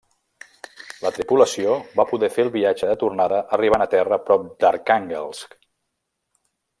La tripulació va poder fer el viatge de tornada arribant a terra prop d'Arkhànguelsk.